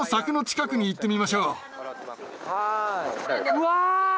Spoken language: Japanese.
うわ！